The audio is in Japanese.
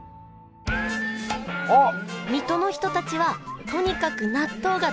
水戸の人たちはとにかく納豆が大好き！